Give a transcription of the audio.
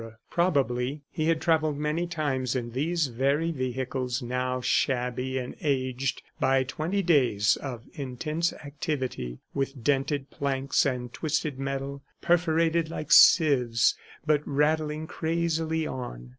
Probably he had travelled many times in these very vehicles, now shabby and aged by twenty days of intense activity, with dented planks and twisted metal, perforated like sieves, but rattling crazily on.